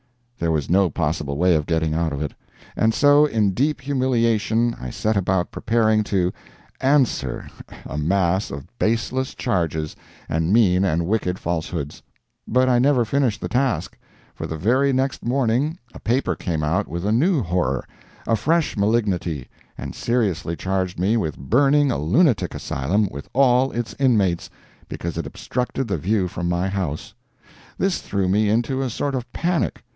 There was no possible way of getting out of it, and so, in deep humiliation, I set about preparing to "answer" a mass of baseless charges and mean and wicked falsehoods. But I never finished the task, for the very next morning a paper came out with a new horror, a fresh malignity, and seriously charged me with burning a lunatic asylum with all its inmates, because it obstructed the view from my house. This threw me into a sort of panic.